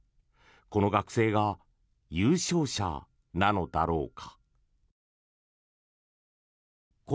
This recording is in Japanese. この学生が優勝者なのだろうか。